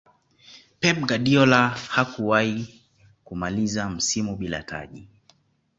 pep guardiola hakuwahi kumaliza msimu bila taji